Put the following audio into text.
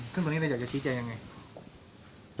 ซึ่งตรงนี้เราอยากจะชี้แจงยังไง